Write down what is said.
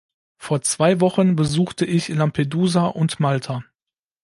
Vor zwei Wochen besuchte ich Lampedusa und Malta.